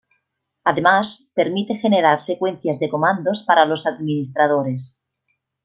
Además, permite generar secuencias de comandos para los administradores.